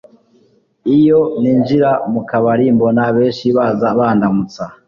iyo ninjira mu kabarimbona benshi baza bandbamutsa